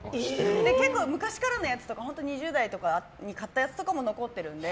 結構昔からのやつとか２０代の時に買ったやつとか残っているので。